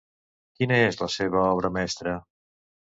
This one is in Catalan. Quina és la seva obra mestra?